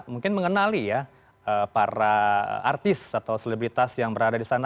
mungkin mengenali ya para artis atau selebritas yang berada di sana